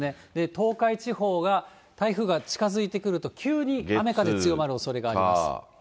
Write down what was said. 東海地方が台風が近づいてくると急に雨風強まるおそれがあります。